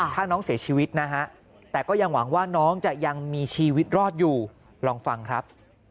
ถ้าน้องเสียชีวิตนะฮะแต่ก็ยังหวังว่าน้องจะยังมีชีวิตรอดอยู่ลองฟังครับ